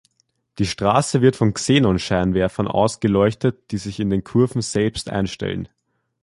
Die Straße wird von Xenon-Scheinwerfern ausgeleuchtet, die sich in den Kurven selbst einstellen.